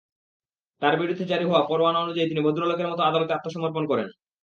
তাঁর বিরুদ্ধে জারি হওয়া পরোয়ানা অনুযায়ী তিনি ভদ্রলোকের মতো আদালতে আত্মসমর্পণ করবেন।